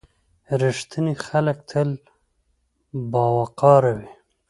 • رښتیني خلک تل باوقاره وي.